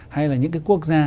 hay là những cái quốc gia